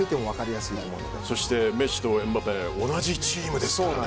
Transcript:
そしてメッシとエムバペは同じチームという。